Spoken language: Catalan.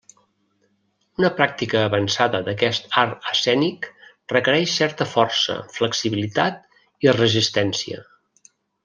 Una pràctica avançada d'aquest art escènic requereix certa força, flexibilitat i resistència.